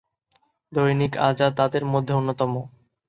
দৈনিক আজাদ তাদের মধ্যে অন্যতম।